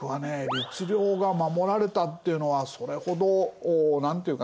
律令が守られたっていうのはそれほど何ていうかな